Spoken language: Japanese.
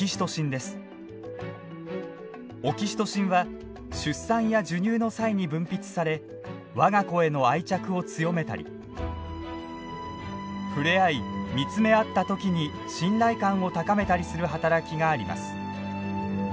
オキシトシンは出産や授乳の際に分泌され我が子への愛着を強めたり触れ合い見つめ合った時に信頼感を高めたりする働きがあります。